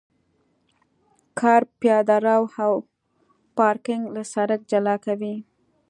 کرب پیاده رو او پارکینګ له سرک جلا کوي